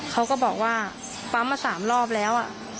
เขาก็บอกว่าปั๊มมา๓รอบแล้ว